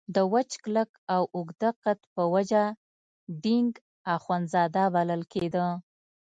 د وچ کلک او اوږده قد په وجه ډینګ اخندزاده بلل کېده.